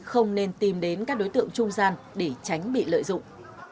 không nên tìm đến các đối tượng trung gian để tránh bị lợi dụng